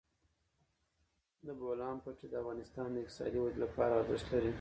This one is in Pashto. د بولان پټي د افغانستان د اقتصادي ودې لپاره ارزښت لري.